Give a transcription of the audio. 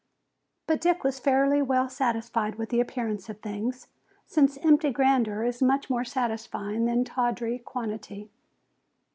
But Dick was fairly well satisfied with the appearance of things, since empty grandeur is much more satisfying than tawdry quantity.